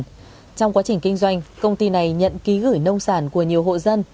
trong quá trình kinh doanh công ty này nhận ký gửi nông sản của nhiều hộ dân